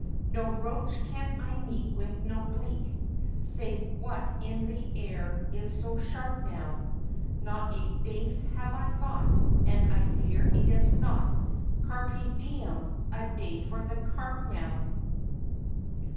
No Roach can I meet with no Bleak, Save what in the air is so sharp now; Not a Dace have I got, And I fear it is not "Carpe diem," a day for the Carp now!